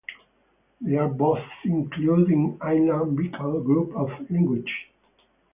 They are both included in Inland Bikol group of languages.